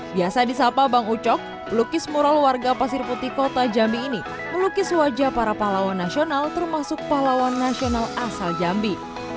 biasa di sapa bang ucok pelukis mural warga pasir putih kota jambi ini melukis wajah para pahlawan nasional termasuk pahlawan nasional asal jambi